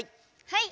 はい！